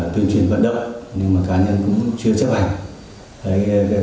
tuyên truyền vận động nhưng mà cá nhân cũng chưa chấp hành